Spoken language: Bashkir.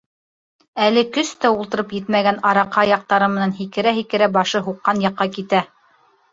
Әле көс тә ултырып етмәгән араҡы аяҡтары менән һикерә-һикерә башы һуҡҡан яҡҡа китә.